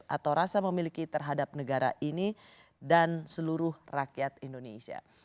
atau rasa memiliki terhadap negara ini dan seluruh rakyat indonesia